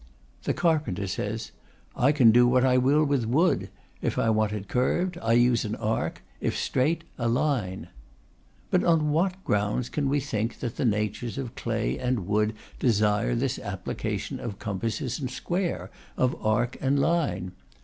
The carpenter says: "I can do what I will with wood. If I want it curved, I use an arc; if straight, a line." But on what grounds can we think that the natures of clay and wood desire this application of compasses and square, of arc and line?